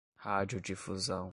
radiodifusão